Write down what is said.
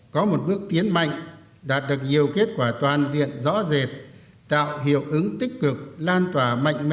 có một bước tiến mạnh đạt được nhiều kết quả toàn diện rõ rệt tạo hiệu ứng tích cực lan tỏa mạnh mẽ